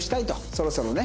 そろそろね。